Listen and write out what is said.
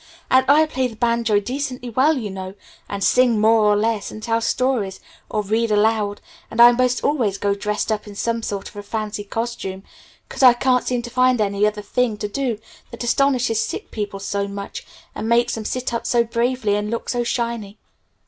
And I play the banjo decently well, you know, and sing more or less and tell stories, or read aloud; and I most always go dressed up in some sort of a fancy costume 'cause I can't seem to find any other thing to do that astonishes sick people so much and makes them sit up so bravely and look so shiny.